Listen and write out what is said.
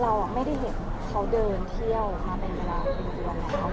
เราไม่ได้เห็นเขาเดินเที่ยวมาเป็นเวลากี่เดือนแล้ว